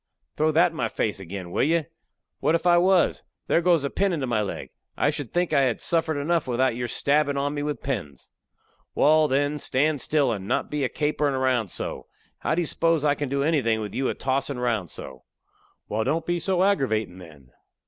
"Throw that in my face agin, will you? What if I was? There goes a pin into my leg! I should think I had suffered enough without your stabbin' of me with pins." "Wal, then, stand still, and not be a caperin' round so. How do you s'pose I can do anything with you a tossin' round so?" "Wal, don't be so aggravatin', then."